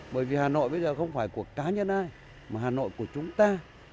bởi vì hà nội bây giờ không phải của cá nhân ai mà hà nội của chúng ta